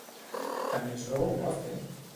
Temisó ho va fer?